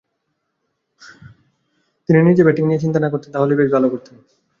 তিনি নিজ ব্যাটিং নিয়ে চিন্তা না করতেন তাহলেই বেশ ভাল করতেন।